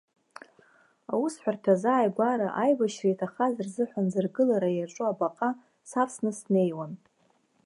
Аусҳәарҭа азааигәара аибашьра иҭахаз рзыҳәан зыргылара иаҿу абаҟа савсны снеиуан.